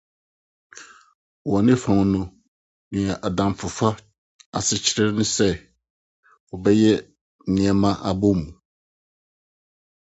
Wɔ ne fam no, nea adamfofa kyerɛ ara ne sɛ wɔbɛyɛ nneɛma abom.